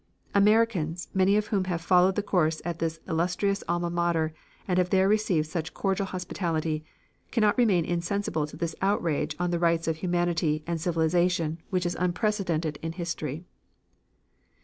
Americans, many of whom have followed the course at this illustrious alma mater and have there received such cordial hospitality, cannot remain insensible to this outrage on the rights of humanity and civilization which is unprecedented in history."